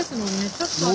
ちょっと私。